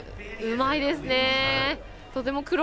うまいですね。